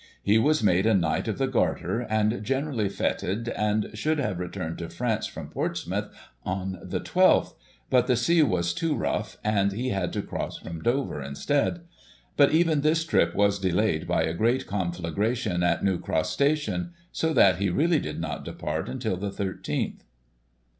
He was made a Knight of the Garter, and generally feted, and should have returned to France, from Portsmouth on the 12th, but the Digiti ized by Google i844] ROYAL EXCHANGE OPENED. 253 sea was too rough, and he had to cross from Dover, instead ; but even this trip was delayed by a great conflagration at New Cross Station, so that he really did not depart until the 13th.